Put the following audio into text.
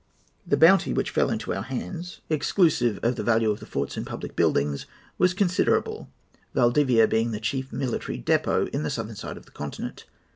The booty which fell into our hands, exclusive of the value of the forts and public buildings, was considerable, Valdivia being the chief military depôt in the southern side of the continent.